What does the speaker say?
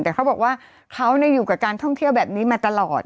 แต่เขาบอกว่าเขาอยู่กับการท่องเที่ยวแบบนี้มาตลอด